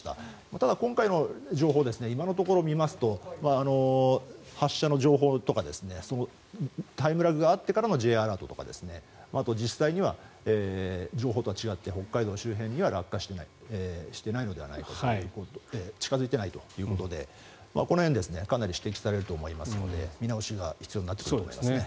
ただ、今回の情報を今のところ見ますと発射の情報とかタイムラグがあってからのＪアラートとか実際には情報とは違って北海道周辺には落下していないのではないか近付いていないということでこの辺かなり指摘されると思いますので見直しが必要になってくると思いますね。